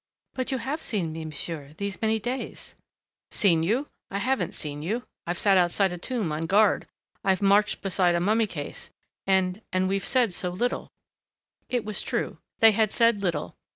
"But you have seen me, monsieur, these many days " "Seen you? I haven't seen you. I've sat outside a tomb on guard, I've marched beside a mummy case and and we've said so little " It was true. They had said little.